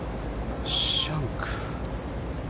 シャンク。